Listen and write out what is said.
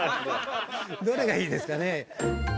どれがいいですかね◆